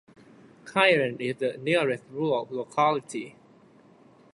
Kyren is the nearest rural locality.